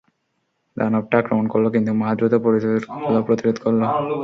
দানবটা আক্রমণ করল, কিন্তু মা দ্রুত প্রতিরোধ করল।